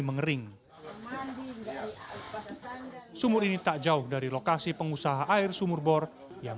mereka masih berpengalaman